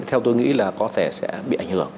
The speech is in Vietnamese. theo tôi nghĩ là có thể sẽ bị ảnh hưởng